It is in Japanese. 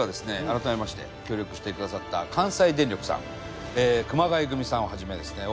改めまして協力してくださった関西電力さん熊谷組さんを始めですね